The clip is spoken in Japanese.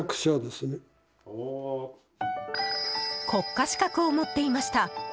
国家資格を持っていました。